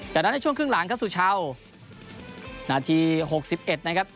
จากนั้นในช่วงครึ่งหลังครับสุชาวนาทีหกสิบเอ็ดนะครับ